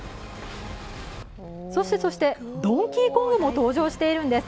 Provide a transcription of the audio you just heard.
そしてドンキーコングも登場しているんです。